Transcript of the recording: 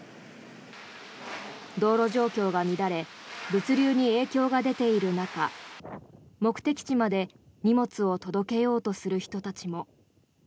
道路状況が乱れ物流に影響が出ている中目的地まで荷物を届けようとする人たちも。